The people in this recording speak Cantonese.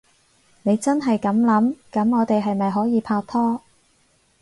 你真係噉諗？噉我哋係咪可以拍拖？